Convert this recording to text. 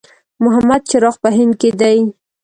محمد چراغ په هند کې دی.